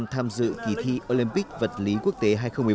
đội tuyển việt nam tham dự kỳ thi olympic vật lý quốc tế hai nghìn một mươi bảy